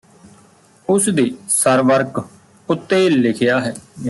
ਉਸ ਦੇ ਸਰਵਰਕ ਉਤੇ ਲਿਖਿਆ ਹੈ